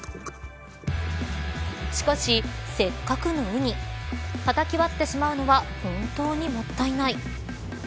しかし、せっかくのウニたたき割ってしまうのは本当にもったいない。